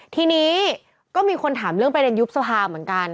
ทีนี้ก็มีคนถามเรื่องประเด็นยุบสภาเหมือนกัน